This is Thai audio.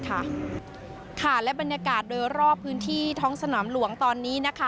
ค่ะค่ะและบรรยากาศโดยรอบพื้นที่ท้องสนามหลวงตอนนี้นะคะ